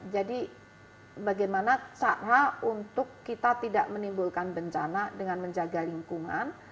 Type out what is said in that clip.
jadi bagaimana cara untuk kita tidak menimbulkan bencana dengan menjaga lingkungan